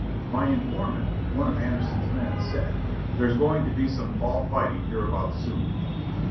My informant, one of Anderson's men, said ; "There's going to be some tall fighting hereabouts soon."